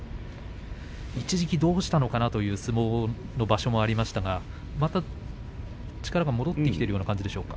一時期、どうしたのかなという相撲の場所もありましたがまた力が戻ってきているような感じでしょうか。